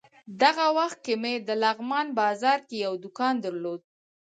دغه وخت کې مې د لغمان بازار کې یو دوکان درلود.